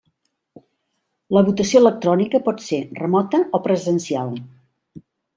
La votació electrònica pot ser remota o presencial.